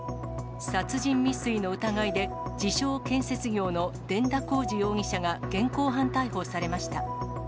殺人未遂の疑いで、自称建設業の伝田貢士容疑者が現行犯逮捕されました。